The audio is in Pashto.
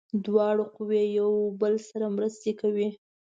دواړه قوې یو بل سره مرسته کوي.